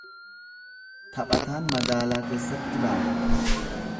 Taphataan magaalaa keessatti baata.